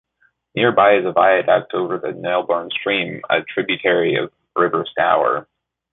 Nearby is a viaduct over the Nailbourne Stream, a tributary of the River Stour.